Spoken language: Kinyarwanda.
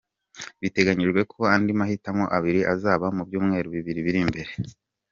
Biteganyijwe ko andi mahitamo abiri azaba mu byumweru bibiri biri imbere.